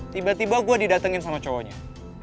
tiba tiba gue didatengin sama cowoknya